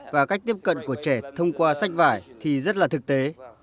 và cách tiếp cận của trẻ thông qua sách vải thì rất là thực tế